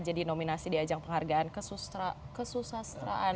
jadi nominasi di ajang penghargaan kesusahseraan